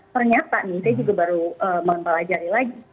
ternyata nih saya juga baru mempelajari lagi